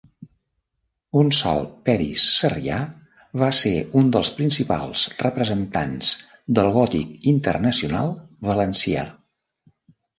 Gonçal Peris Sarrià va ser un dels principals representants del gòtic internacional valencià.